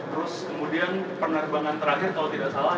terus kemudian penerbangan terakhir t till en desar salah